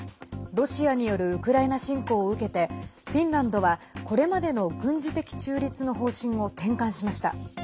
ロシアによるウクライナ侵攻を受けてフィンランドはこれまでの軍事的中立の方針を転換しました。